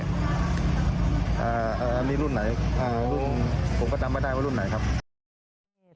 อ่าอันนี้รุ่นไหนผมก็จำไม่ได้ว่ารุ่นไหนครับ